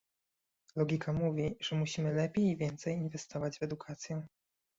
Logika mówi, że musimy lepiej i więcej inwestować w edukację